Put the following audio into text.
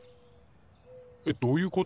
えっどういうこと？